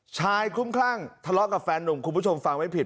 คลุ้มคลั่งทะเลาะกับแฟนหนุ่มคุณผู้ชมฟังไม่ผิด